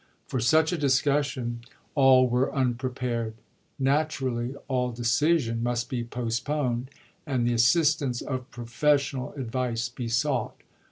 For such a discussion all were unprepared. Naturally all decision must be postponed, and the assistance of professional advice be sought.